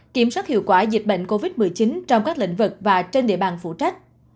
kiểm soát hiệu quả dịch bệnh covid một mươi chín trong các lĩnh vực và trên địa bàn phụ trách